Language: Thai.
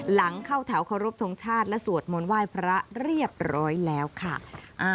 หลังเข้าแถวเคารพทงชาติและสวดมนต์ไหว้พระเรียบร้อยแล้วค่ะ